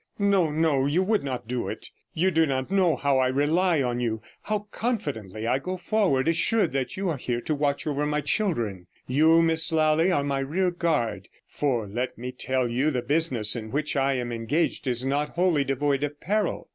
No, no, you would not do it. You do not know how I rely on you; how confidently I go forward, assured that you are here to watch over my children. You, Miss Lally, are my rear guard; for let me tell you the business in which I am engaged is not wholly devoid of peril.